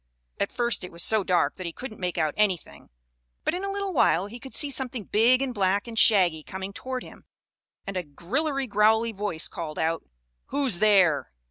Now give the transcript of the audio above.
At first it was so dark that he couldn't make out anything, but in a little while he could see something big and black and shaggy coming toward him, and a grillery growlery voice called out: "Who's there?